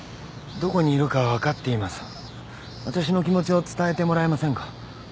私の気持ちを伝えてもらえませんか？